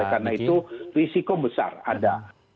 karena itu risiko besar ada